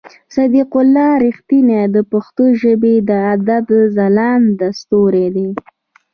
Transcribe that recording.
صديق الله رښتين د پښتو ژبې د ادب ځلانده ستوری دی.